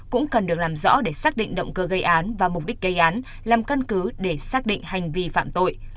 cũng cần được làm rõ để xác định động cơ gây án và mục đích gây án làm căn cứ để xác định hành vi phạm tội